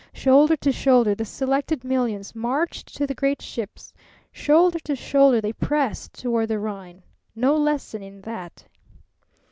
Shoulder to shoulder the selected millions marched to the great ships, shoulder to shoulder they pressed toward the Rhine. No lesson in that!